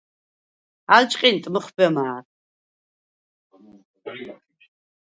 ალ ჭყინტ მუხვბე მა̄რ.